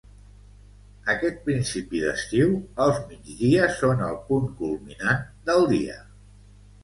Aquest principi d'estiu, els migdies són el punt culminant del dia.